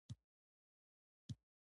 خپل شهکارونه او مهم ځایونه ټول وینو.